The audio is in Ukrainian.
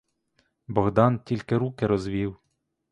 Богдан тільки руки розвів.